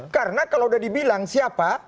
karena kalau udah dibilang siapa